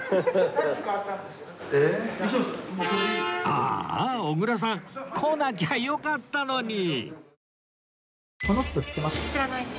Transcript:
ああ小倉さん来なきゃよかったのに！